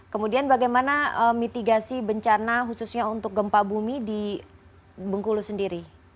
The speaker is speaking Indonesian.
kemudian bagaimana mitigasi bencana khususnya untuk gempa bumi di bengkulu sendiri